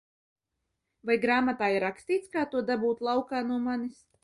Vai grāmatā ir rakstīts, kā to dabūt laukā no manis?